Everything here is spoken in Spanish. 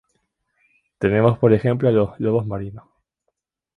Tenemos por ejemplo a los lobos marinos.